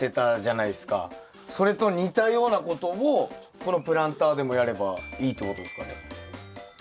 それと似たようなことをこのプランターでもやればいいってことですかね？